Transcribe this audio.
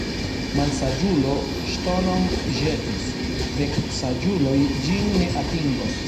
Malsaĝulo ŝtonon ĵetis, dek saĝuloj ĝin ne atingos.